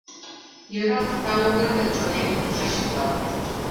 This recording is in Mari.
Йӧра, тау веле, ЧОНЕМ, шыч кудалте.